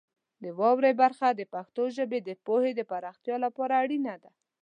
د واورئ برخه د پښتو ژبې د پوهې د پراختیا لپاره اړینه ده.